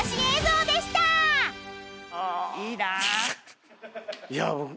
いいな！